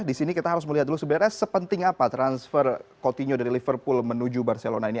di sini kita harus melihat dulu sebenarnya sepenting apa transfer coutinho dari liverpool menuju barcelona ini